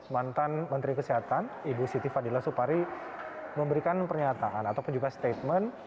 mantan menteri kesehatan ibu siti fadila supari memberikan pernyataan ataupun juga statement